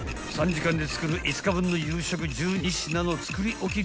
３時間で作る５日分の夕食１２品の作り置き料理］